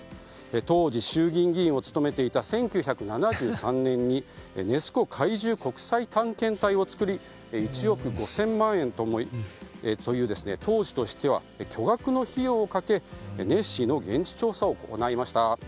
当時、衆議院議員を務めていた１９７３年にネス湖怪獣国際探検隊を作り１億５０００万円という当時としては巨額の費用をかけネッシーの現地調査を行いました。